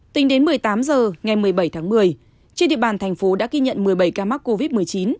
tính đến một mươi tám h ngày một mươi bảy tháng một mươi trên địa bàn thành phố đã ghi nhận một mươi bảy ca mắc covid một mươi chín